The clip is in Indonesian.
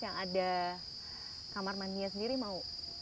yang ada kamar mandinya sendiri mau